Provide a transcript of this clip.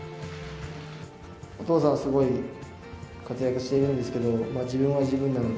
お父さん、すごい活躍しているんですけど、自分は自分なので。